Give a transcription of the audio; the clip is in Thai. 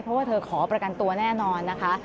เพราะว่าเธอขอประกันตัวแน่นอนนะคะ